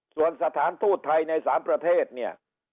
ส่วนสถานทูตไทยใน๓ประเทศเนี่ย